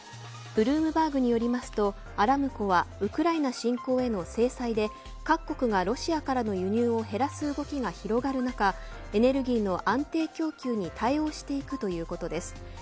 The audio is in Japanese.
ブルームバーグによりますとアラムコはウクライナ侵攻への制裁で各国がロシアからの輸入を減らす動きが広がる中エネルギーの安定供給に対応していくということです。